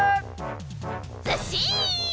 ずっしん！